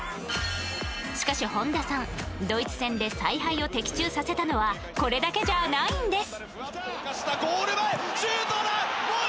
しかし本田さんドイツ戦で采配を的中させたのはこれだけじゃないんです！